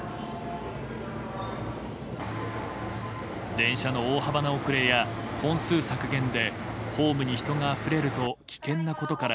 電車の大幅な遅れや本数削減でホームに人があふれると危険なことから。